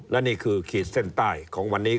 และนี่คือขีดเส้นใต้ของวันนี้